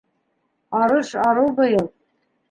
Арыш арыу быйыл.